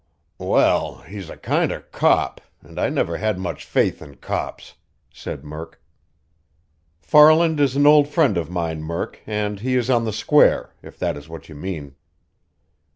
"Well, he's a kind of cop, and I never had much faith in cops," said Murk. "Farland is an old friend of mine, Murk, and he is on the square if that is what you mean."